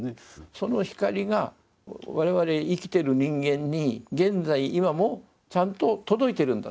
その光が我々生きている人間に現在今もちゃんと届いているんだと。